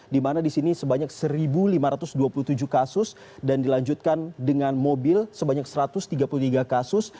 dimana disini sebanyak seribu lima ratus dua puluh tujuh kasus dan dilanjutkan dengan mobil sebanyak satu ratus tiga puluh tiga kasus